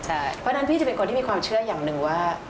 เพราะฉะนั้นพี่จะเป็นคนที่มีความเชื่ออย่างหนึ่งว่า